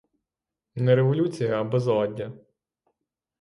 Не революція, а безладдя.